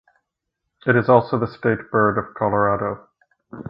It is also the state bird of Colorado.